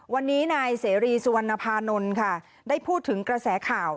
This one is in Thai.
วันนี้นายเสรีสุวรรณภานนท์ค่ะได้พูดถึงกระแสข่าว